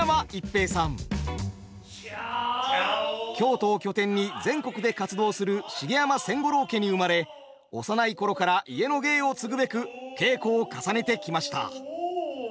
京都を拠点に全国で活動する茂山千五郎家に生まれ幼い頃から家の芸を継ぐべく稽古を重ねてきました。